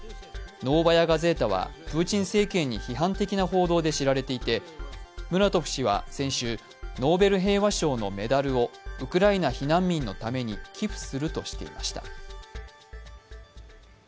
「ノーバヤ・ガゼータ」はプーチン政権に批判的な報道で知られていてムラトフ氏は先週ノーベル平和賞のメダルをウクライナ避難民のために寄付するとしていました。